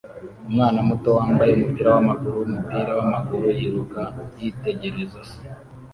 Umwana muto wambaye umupira wamaguru wumupira wamaguru yiruka yitegereza se